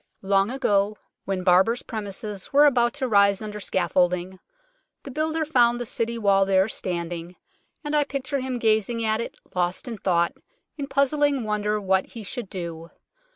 Long ago, when Barbers' premises 22 UNKNOWN LONDON were about to rise under scaffolding, the builder found the City Wall there standing, and I picture him gazing at it, lost in thought, in puzzling wonder what he should do.